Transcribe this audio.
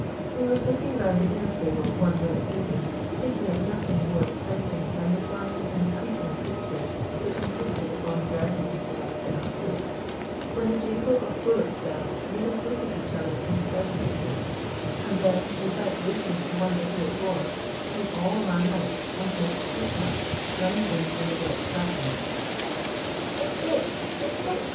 ] We were sitting round the dinner table one wet evening, thinking of nothing more exciting than the flying and creeping creatures which insisted upon drowning themselves in our soup, when the jingle of bullock bells made us look at each other incredulously; and then, without waiting to wonder who it was, we all ran out and met Rukma running in from the wet darkness. "It's it! it's it!"